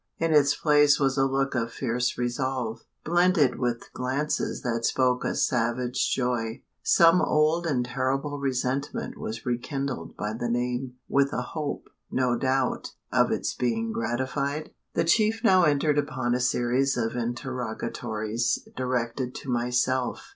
In its place was a look of fierce resolve, blended with glances that spoke a savage joy. Some old and terrible resentment was rekindled by the name with a hope, no doubt, of its being gratified? The chief now entered upon a series of interrogatories directed to myself.